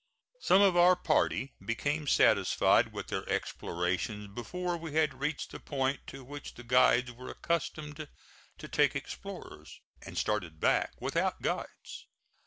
Some of our party became satisfied with their explorations before we had reached the point to which the guides were accustomed to take explorers, and started back without guides.